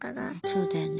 そうだよね。